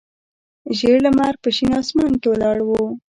زیړ لمر په شین اسمان کې ولاړ و.